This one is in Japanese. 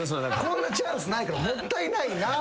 こんなチャンスないからもったいないなと思って。